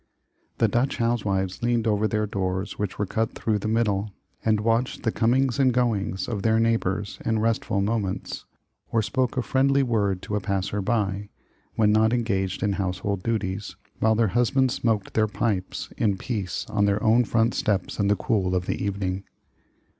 The Dutch housewives leaned over their doors which were cut through the middle, and watched the comings and goings of their neighbors in restful moments, or spoke a friendly word to a passer by, when not engaged in household duties, while their husbands smoked their pipes in peace on their own front stoops in the cool of the evening.